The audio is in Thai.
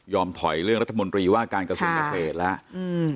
ถอยเรื่องรัฐมนตรีว่าการกระทรวงเกษตรแล้วอืม